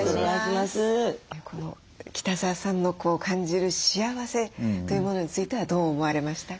この北澤さんの感じる幸せというものについてはどう思われましたか？